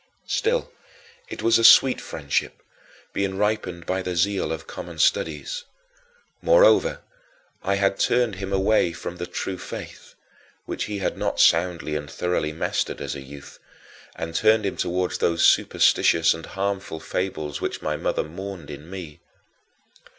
" Still, it was a sweet friendship, being ripened by the zeal of common studies. Moreover, I had turned him away from the true faith which he had not soundly and thoroughly mastered as a youth and turned him toward those superstitious and harmful fables which my mother mourned in me.